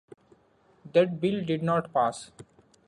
That bill did not pass.